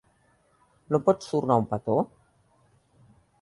No pots tornar un petó?